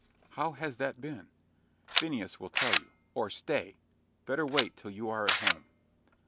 "How has that been?" "Phineas will tell you. Or, stay better wait till you are at home."